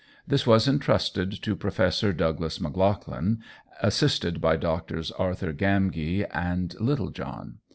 This was entrusted to Professor Douglas Maclagan, assisted by Drs. Arthur Gamgee and Littlejohn.